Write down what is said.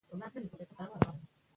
ژبې د افغانستان د بڼوالۍ برخه ده.